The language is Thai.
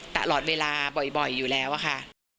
ตลอดเวลาบ่อยอยู่แล้วอะค่ะ